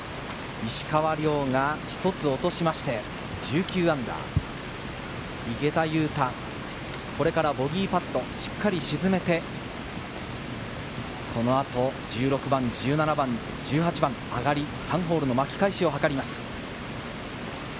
石川遼が一つ落としまして、−１９、池田勇太、これからボギーパット、しっかり沈めて、この後１６番、１７番、１８番、上がり３ホールの巻き返しを図ります。